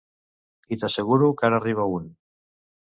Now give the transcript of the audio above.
I t'asseguro que ara arriba un.